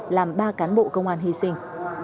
làm ba cán bộ công an hy sinh